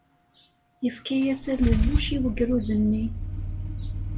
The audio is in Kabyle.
Yefka-as alelluc i wegrud-nni.